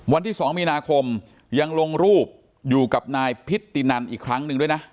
วันที่๒มีนาคมยังลงรูปอยู่กับนายพิตินันอีกครั้งหนึ่งด้วยนะ